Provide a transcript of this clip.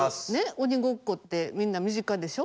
鬼ごっこってみんな身近でしょ。